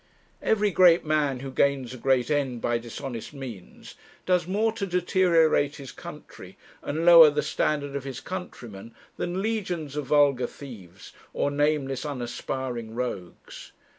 Every great man, who gains a great end by dishonest means, does more to deteriorate his country and lower the standard of his countrymen than legions of vulgar thieves, or nameless unaspiring rogues.